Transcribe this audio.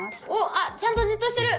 あっちゃんとじっとしてる。